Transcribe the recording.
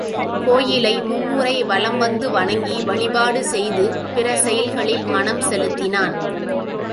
கோயிலை மும்முறை வலம் வந்து வணங்கி வழிபாடு செய்து பிற செயல்களில் மனம் செலுத்தினான்.